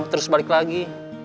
terus balik lagi